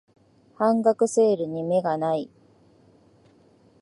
半額セールに目がない